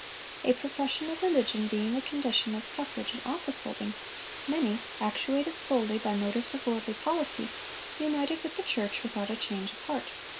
A profession of religion being the condition of suffrage and office holding, many, actuated solely by motives of worldly policy, united with the church without a change of heart.